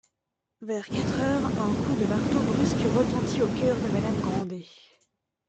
Vers quatre heures, un coup de marteau brusque retentit au cœur de madame Grandet.